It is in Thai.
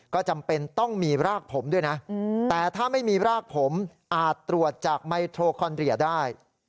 ก็จำเป็นต้องมีรากผมด้วยนะแต่ถ้าไม่มีรากผมอาจตรวจจากไมโทรคอนเรียได้